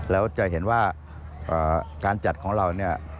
แล้วจะเห็นว่าการจัดของเราเนี่ย